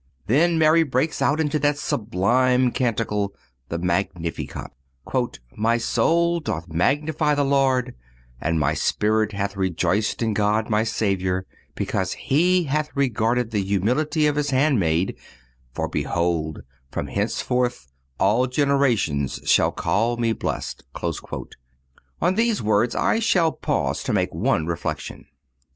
Then Mary breaks out into that sublime canticle, the Magnificat: "My soul doth magnify the Lord, and my spirit hath rejoiced in God my Savior, because He hath regarded the humility of his handmaid, for behold from henceforth all generations shall call me blessed."(247) On these words I shall pause to make one reflection.